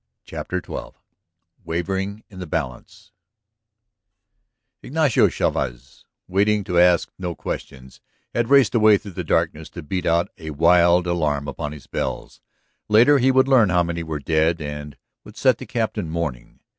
CHAPTER XII WAVERING IN THE BALANCE Ignacio Chavez, waiting to ask no questions, had raced away through the darkness to beat out a wild alarm upon his bells. Later he would learn how many were dead and would set the Captain mourning.